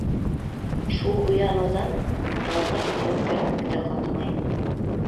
Шул уяныуҙан таңға тиклем керпек тә ҡаҡмай.